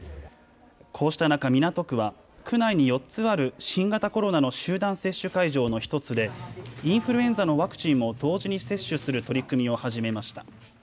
こうした中、港区は区内に４つある新型コロナの集団接種会場の１つでインフルエンザのワクチンも同時に接種する取り組みを始めました。